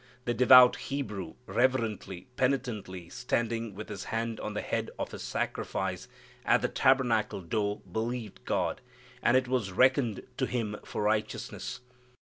The devout Hebrew, reverently, penitently standing with his hand on the head of his sacrifice, at the tabernacle door, believed God and it was reckoned to him for righteousness.